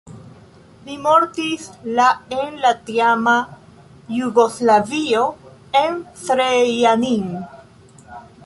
Li mortis la en la tiama Jugoslavio en Zrenjanin.